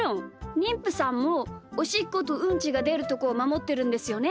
にんぷさんもおしっことうんちがでるところをまもってるんですよね？